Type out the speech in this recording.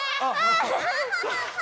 アハハハ！